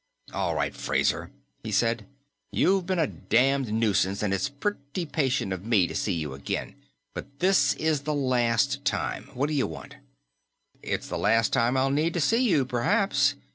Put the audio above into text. "All right, Fraser," he said. "You've been a damned nuisance, and it's pretty patient of me to see you again. But this is the last time. Wha'd'you want?" "It's the last time I'll need to see you, perhaps."